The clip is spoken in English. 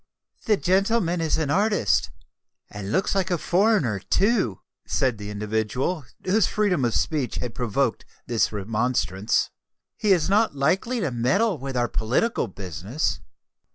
"The gentleman is an artist, and looks like a foreigner, too," said the individual whose freedom of speech had provoked this remonstrance: "he is not likely to meddle with our political business."